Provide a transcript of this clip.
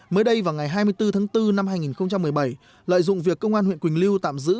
mới đây vào ngày hai mươi bốn tháng bốn năm hai nghìn một mươi bảy lợi dụng việc công an huyện quỳnh lưu tạm giữ